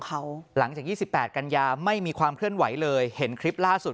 เขาหลังจาก๒๘กันยาไม่มีความเคลื่อนไหวเลยเห็นคลิปล่าสุด